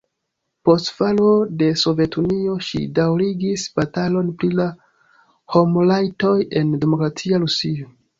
Post falo de Sovetunio ŝi daŭrigis batalon pri la homrajtoj en demokratia Rusio.